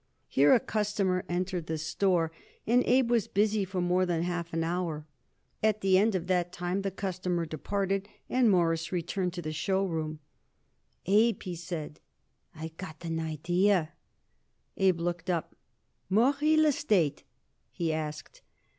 Here a customer entered the store and Abe was busy for more than half an hour. At the end of that time the customer departed and Morris returned to the show room. "Abe," he said, "I got an idea." Abe looked up. "More real estate?" he asked.